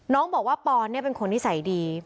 น้องบอกว่าปอนเป็นคนนิสัยดี